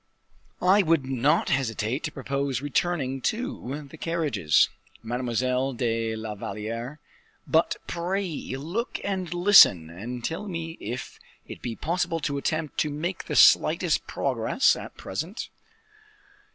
"I would not hesitate to propose returning to the carriages, Mademoiselle de la Valliere, but pray look and listen, and tell me if it be possible to attempt to make the slightest progress at present?"